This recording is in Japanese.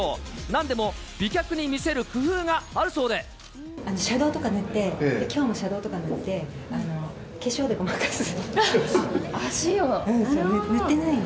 なんでも、美脚に見せる工夫があシャドーとか塗って、きょうもシャドーとか塗って、化粧でごまかす。